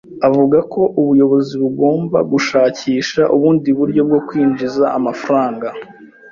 Avuga ko ubuyobozi bugomba gushakisha ubundi buryo bwo kwinjiza amafaranga.